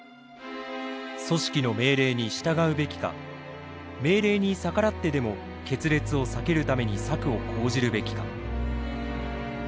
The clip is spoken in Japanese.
組織の命令に従うべきか命令に逆らってでも決裂を避けるために策を講じるべきか。